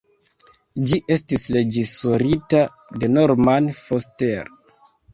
Ĝi estis reĝisorita de Norman Foster.